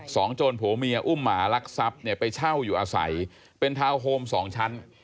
โจรผัวเมียอุ้มหมาลักทรัพย์เนี่ยไปเช่าอยู่อาศัยเป็นทาวน์โฮมสองชั้น